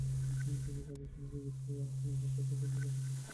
এই কাজে তিনি ডেভিড হেয়ার, প্রসন্নকুমার ঠাকুর প্রভৃতি ব্যক্তির সমর্থন পান।